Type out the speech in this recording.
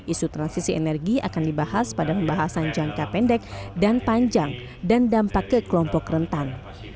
isu transisi energi akan dibahas pada pembahasan jangka pendek dan panjang dan dampak ke kelompok rentan